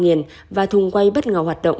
nhiền và thùng quay bất ngờ hoạt động